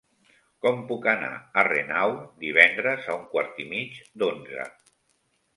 Com puc anar a Renau divendres a un quart i mig d'onze?